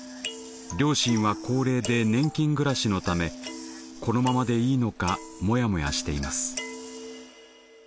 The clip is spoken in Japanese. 両親は高齢で年金暮らしのためこのままでいいのかモヤモヤしています。